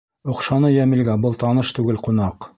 Оҡшаны Йәмилгә был таныш түгел ҡунаҡ.